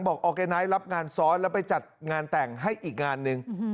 ออร์แกไนท์รับงานซ้อนแล้วไปจัดงานแต่งให้อีกงานหนึ่ง